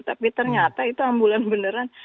tapi ternyata itu ambulan beneran